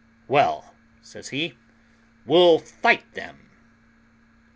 "Well," says he, "we'll fight them!"